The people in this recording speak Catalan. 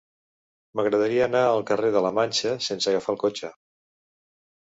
M'agradaria anar al carrer de la Manxa sense agafar el cotxe.